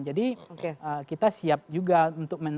jadi kita siap juga untuk